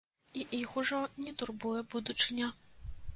І іх ужо не турбуе будучыня.